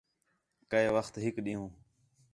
کَئے وخت ہِک ݙِین٘ہوں